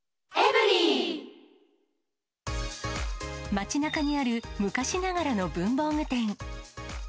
街なかにある、昔ながらの文房具店。